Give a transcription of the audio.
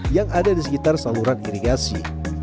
yang ada di sekitar saluran irigasi